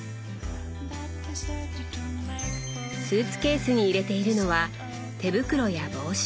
スーツケースに入れているのは手袋や帽子。